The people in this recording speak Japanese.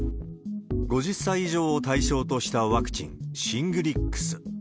５０歳以上を対象としたワクチン、シングリックス。